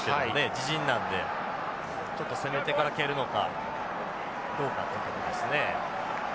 自陣なんでちょっと攻めてから蹴るのかどうかというところですね。